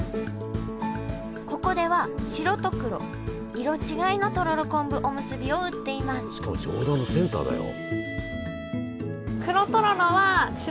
ここでは白と黒色違いのとろろ昆布おむすびを売っていますしかも上段のセンターだよ。